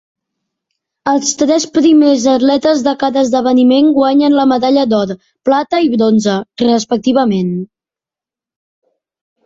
Els tres primers atletes de cada esdeveniment guanyen la medalla d'or, plata i bronze, respectivament.